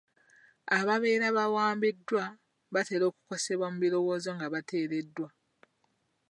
Ababeera bawambiddwa batera okukosebwa mu birowoozo nga bateereddwa.